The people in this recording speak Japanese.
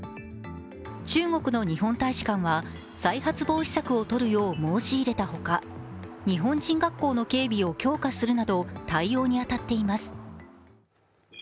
中国の日本大使館は再発防止策をとるよう申し入れたほか、日本人学校の警備を強化するなど対応に当たっています。